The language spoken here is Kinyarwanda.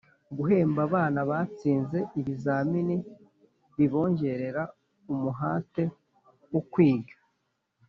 Guhemba abana batsinze ibizami bibonjyerera umuhate wo kwiga